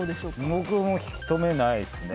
僕も引き止めないですね。